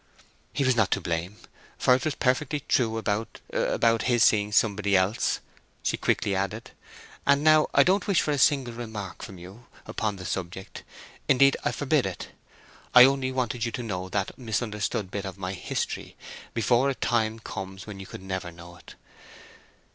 "He was not to blame, for it was perfectly true about—about his seeing somebody else," she quickly added. "And now I don't wish for a single remark from you upon the subject—indeed, I forbid it. I only wanted you to know that misunderstood bit of my history before a time comes when you could never know it.